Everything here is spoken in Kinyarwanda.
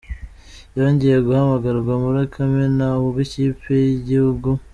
Yongeye guhamagarwa muri Kamena ubwo ikipe y’igihugu.